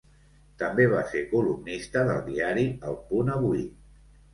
També va ser columnista del diari el Punt Avui.